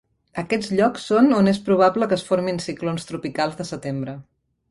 Aquests llocs són on és probable que es formin ciclons tropicals de setembre.